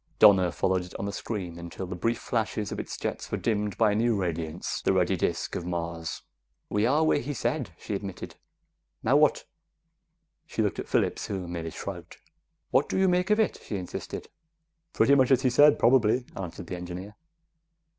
Donna followed it on the screen until the brief flashes of its jets were dimmed by a new radiance the ruddy disk of Mars. "We are where he said," she admitted. "Now what?" She looked at Phillips, who merely shrugged. "What do you make of it?" she insisted. "Pretty much as he said, probably," answered the engineer.